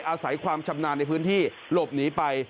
อาศัยความชำนาญในพื้นที่หลบหนีไป